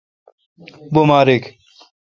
بماریک۔